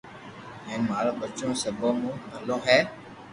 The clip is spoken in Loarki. ھين مارو ٻچو سبو مون ٻلو ھي